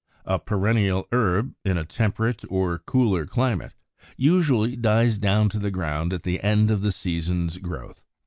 A perennial herb, in a temperate or cooler climate, usually dies down to the ground at the end of the season's growth.